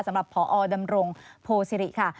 สำหรับพอดำรงโพสิริค่ะ